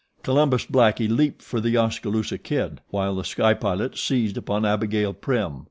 Columbus Blackie leaped for The Oskaloosa Kid, while The Sky Pilot seized upon Abigail Prim.